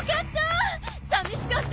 さみしかったよ！